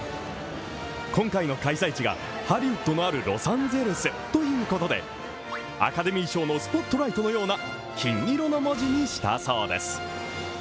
今回の開催地が、ハリウッドのあるロサンゼルスということでアカデミー賞のスポットライトのような金色の文字にしたそうです。